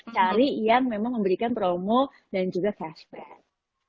cari yang memang memberikan promo dan juga fashback